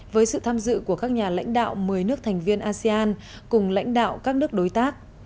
với sự tham dự của các nhà lãnh đạo một mươi nước thành viên asean cùng lãnh đạo các nước đối tác